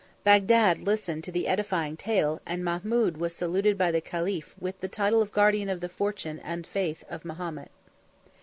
Bagdad listened to the edifying tale; and Mahmud was saluted by the caliph with the title of guardian of the fortune and faith of Mahomet.